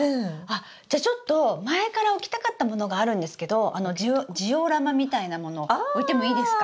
じゃちょっと前から置きたかったものがあるんですけどジオラマみたいなもの置いてもいいですか？